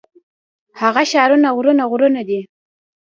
هغه ښارونه غرونه غرونه دي.